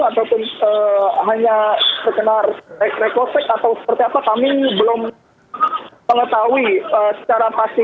ataupun hanya sekedar reposek atau seperti apa kami belum mengetahui secara pasti